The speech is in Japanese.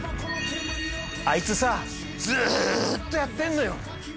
あいつさずーっとやってんのよ。